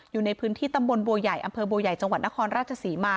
อยู่ในพื้นที่ตำบลบัวใหญ่อำเภอบัวใหญ่จังหวัดนครราชศรีมา